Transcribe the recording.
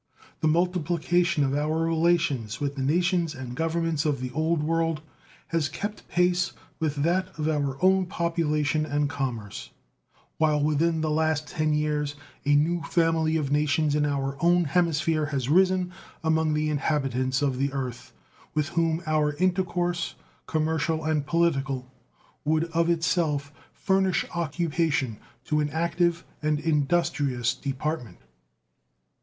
The multiplication of our relations with the nations and Governments of the Old World has kept pace with that of our population and commerce, while within the last ten years a new family of nations in our own hemisphere has arisen among the inhabitants of the earth, with whom our intercourse, commercial and political, would of itself furnish occupation to an active and industrious department.